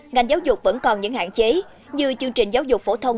ngành giáo dục vẫn còn những hạn chế như chương trình giáo dục phổ thông